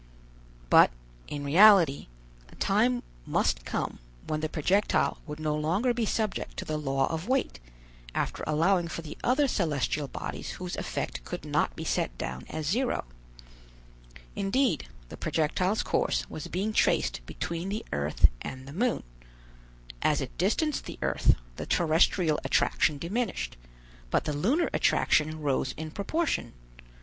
But, in reality, a time must come when the projectile would no longer be subject to the law of weight, after allowing for the other celestial bodies whose effect could not be set down as zero. Indeed, the projectile's course was being traced between the earth and the moon. As it distanced the earth, the terrestrial attraction diminished: but the lunar attraction rose in proportion.